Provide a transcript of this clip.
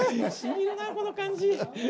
この感じ。